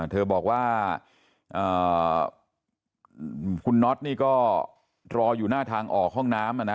เธอบอกว่าคุณน็อตนี่ก็รออยู่หน้าทางออกห้องน้ำ